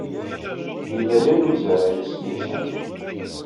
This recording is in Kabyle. Yella yan umzaray asnilsan.